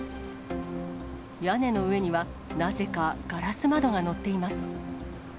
屋根の上には、なぜかガラス窓が載っています。